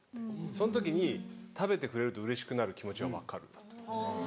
その時に食べてくれるとうれしくなる気持ちは分かるなと。